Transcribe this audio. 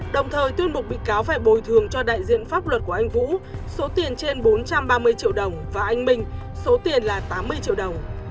đồng thời tuyên buộc bị cáo phải bồi thường cho đại diện pháp luật của anh vũ số tiền trên bốn trăm ba mươi triệu đồng và anh minh số tiền là tám mươi triệu đồng